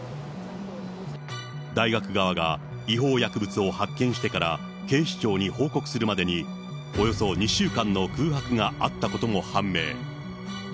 大学側が違法薬物を発見してから警視庁に報告するまでに、およそ２週間の空白があったことも判明。